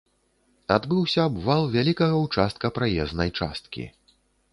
Адбыўся абвал вялікага ўчастка праезнай часткі.